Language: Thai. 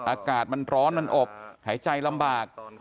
อากาศมันร้อนมันอบหายใจลำบาก